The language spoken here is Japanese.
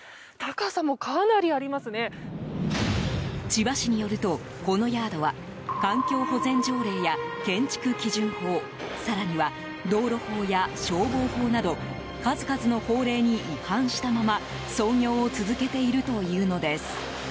千葉市によると、このヤードは環境保全条例や建築基準法更には道路法や消防法など数々の法令に違反したまま操業を続けているというのです。